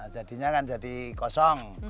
jadinya kan jadi kosong